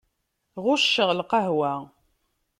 Ɣucceɣ lqahwa.